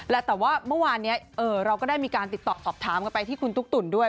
แล้วแต่ว่าเมื่อวานนี้เราก็ได้มีการติดต่อสอบถามกันไปที่คุณตุ๊กตุ๋นด้วย